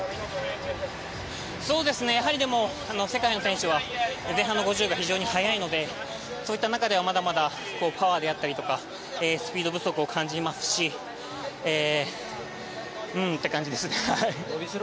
でも、世界の選手は前半の５０ｍが非常に速いのでそういった中ではまだまだパワーであったりとかスピード不足を感じますし伸びしろですね。